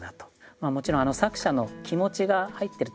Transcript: もちろん作者の気持ちが入ってると思いますね。